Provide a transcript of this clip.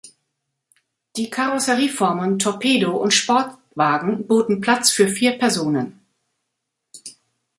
Die Karosserieformen Torpedo und Sportwagen boten Platz für vier Personen.